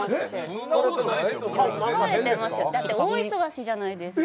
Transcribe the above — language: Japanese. だって大忙しじゃないですか。